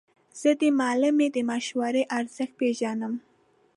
زه د معلمې د مشورو ارزښت پېژنم.